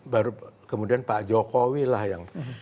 baru kemudian pak jokowi lah yang